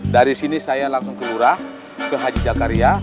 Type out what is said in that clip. dari sini saya langsung ke lurah ke haji jakaria